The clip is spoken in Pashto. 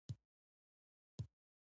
له امله یې د دولت د اقتدار زوال ژور شو.